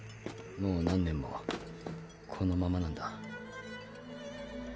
もう何年もこのままなんだ。